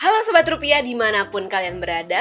halo sebat rupiah dimanapun kalian berada